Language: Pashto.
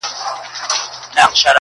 نور به د پانوس له رنګینیه ګیله نه کوم!